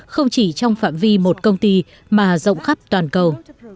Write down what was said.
không chỉ trong phạm vi một công ty mà rộng khắp toàn cầu